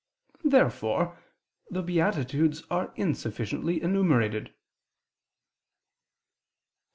Therefore the beatitudes are insufficiently enumerated. Obj.